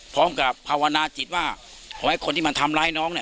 พร้อมกับภาวนาจิตว่าขอให้คนที่ทำร้ายน้อง